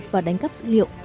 và đánh cắp dữ liệu